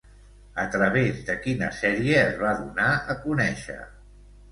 A través de quina sèrie es va donar a conèixer?